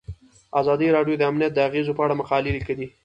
ازادي راډیو د امنیت د اغیزو په اړه مقالو لیکلي.